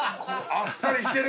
あっさりしてる！